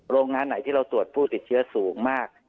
โรงงานไหนที่เราตรวจผู้ติดเชื้อสูงมาก